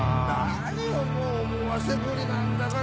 何よもう思わせぶりなんだから。